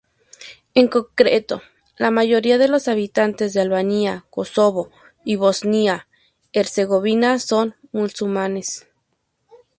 En concreto, la mayoría de los habitantes de Albania, Kosovo y Bosnia-Herzegovina son musulmanes.